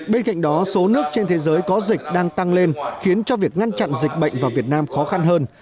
bên cạnh đó số nước trên thế giới có dịch đang tăng lên khiến cho việc ngăn chặn dịch bệnh vào việt nam khó khăn hơn